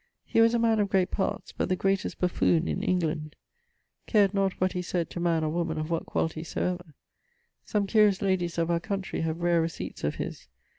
He was a man of great parts, but the greatest buffoon in England; cared not what he said to man or woman of what quality soever. Some curious ladies of our country have rare receipts of his.